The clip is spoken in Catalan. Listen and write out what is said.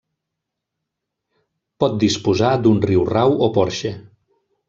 Pot disposar d'un riurau o porxe.